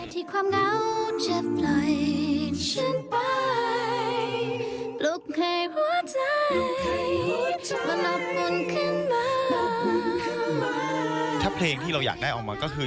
ถ้าเพลงที่เราอยากได้ออกมาก็คือ